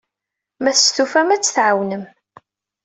Ma testufam, ad t-tɛawnem.